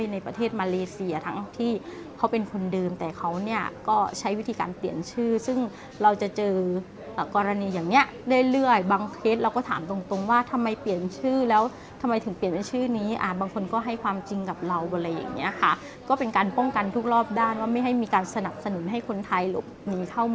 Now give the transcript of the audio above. ในประเทศมาเลเซียทั้งที่เขาเป็นคนเดิมแต่เขาเนี่ยก็ใช้วิธีการเปลี่ยนชื่อซึ่งเราจะเจอกรณีอย่างนี้เรื่อยบางเคสเราก็ถามตรงตรงว่าทำไมเปลี่ยนชื่อแล้วทำไมถึงเปลี่ยนเป็นชื่อนี้บางคนก็ให้ความจริงกับเราอะไรอย่างนี้ค่ะก็เป็นการป้องกันทุกรอบด้านว่าไม่ให้มีการสนับสนุนให้คนไทยหลบหนีเข้ามา